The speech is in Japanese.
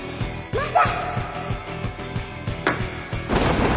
マサ！